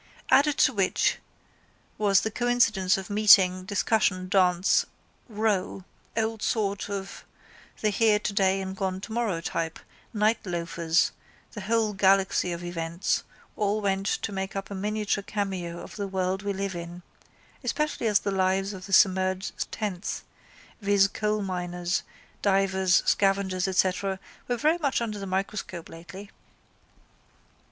Added to which was the coincidence of meeting, discussion, dance, row, old salt of the here today and gone tomorrow type, night loafers, the whole galaxy of events, all went to make up a miniature cameo of the world we live in especially as the lives of the submerged tenth, viz. coalminers, divers, scavengers etc., were very much under the microscope lately.